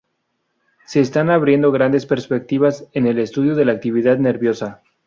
Se están abriendo grandes perspectivas en el estudio de la actividad nerviosa.